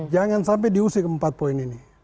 jangan sampai diusik empat poin ini